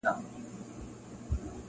• شپه مو نسته بې کوکاره چي رانه سې -